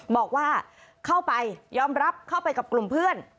บอกว่าเข้าไปยอมรับเข้าไปกับกลุ่มเพื่อน